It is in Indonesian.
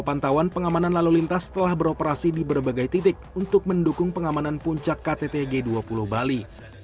pantauan pengamanan lalu lintas telah beroperasi di berbagai titik untuk mendukung pengamanan puncak ktt g dua puluh bali